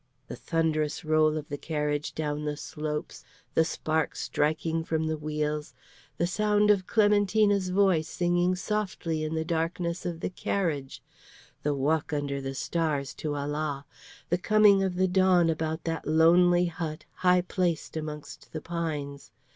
The thunderous roll of the carriage down the slopes, the sparks striking from the wheels, the sound of Clementina's voice singing softly in the darkness of the carriage, the walk under the stars to Ala, the coming of the dawn about that lonely hut, high placed amongst the pines.